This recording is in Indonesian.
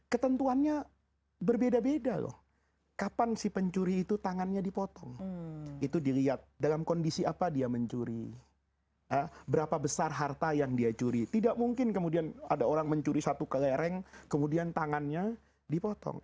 ketentuannya berbeda beda loh kapan si pencuri itu tangannya dipotong itu dilihat dalam kondisi apa dia mencuri berapa besar harta yang dia curi tidak mungkin kemudian ada orang mencuri satu kelereng kemudian tangannya dipotong